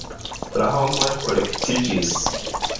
La homoj kolektiĝis.